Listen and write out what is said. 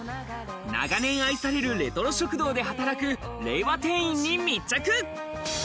長年愛されるレトロ食堂で働く令和店員に密着。